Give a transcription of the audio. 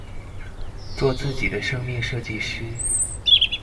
做自己的生命設計師